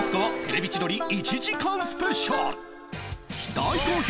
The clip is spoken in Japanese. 大好評！